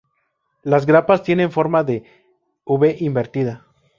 Las grapas tienen forma de V invertida.